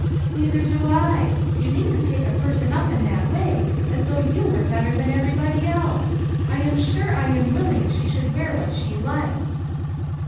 "Neither do I. You needn't take a person up in that way, as though you were better than anybody else. I am sure I am willing she should wear what she likes."